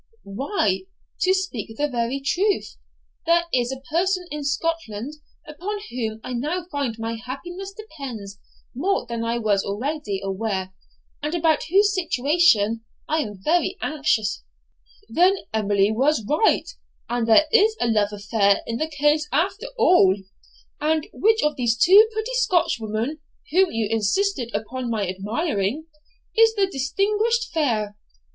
'Why, to speak the very truth, there is a person in Scotland upon whom I now find my happiness depends more than I was always aware, and about whose situation I am very anxious.' 'Then Emily was right, and there is a love affair in the case after all? And which of these two pretty Scotchwomen, whom you insisted upon my admiring, is the distinguished fair?